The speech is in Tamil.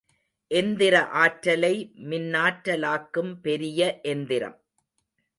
எந்திர ஆற்றலை மின்னாற்றலாக்கும் பெரிய எந்திரம்.